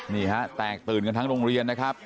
นี่ฮะแตกตื่นกันทั้งโรงเรียนนะครับ